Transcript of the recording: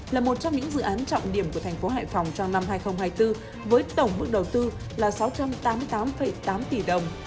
là một trong những dự án trọng điểm của thành phố hải phòng trong năm hai nghìn hai mươi bốn với tổng mức đầu tư là sáu trăm tám mươi tám tám tỷ đồng